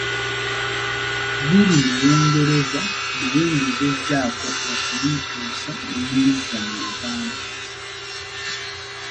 Biri mu Lungereza naye ngezezzaako okubikyusa ne mbizza mu Luganda.